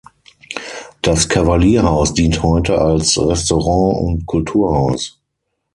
Das Kavalierhaus dient heute als Restaurant und Kulturhaus.